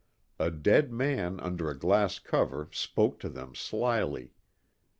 A dead man under a glass cover spoke to them slyly.